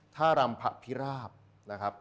ท่ารำพระพิราบนะครับ